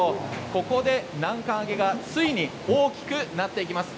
ここで南関あげが、ついに大きくなっていきます。